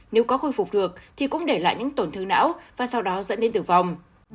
nếu có khôi phục được thì cũng để lại những tổn thương não và sau đó dẫn đến tử vong